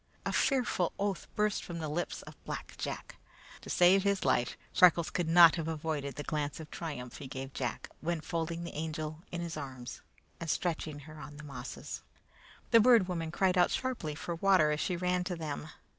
A fearful oath burst from the lips of Black Jack. To have saved his life, Freckles could not have avoided the glance of triumph he gave Jack, when folding the Angel in his arms and stretching her on the mosses. The Bird Woman cried out sharply for water as she ran to them.